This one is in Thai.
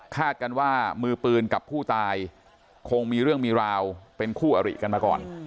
กันว่ามือปืนกับผู้ตายคงมีเรื่องมีราวเป็นคู่อริกันมาก่อน